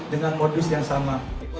jadi dengan kondisi yang sama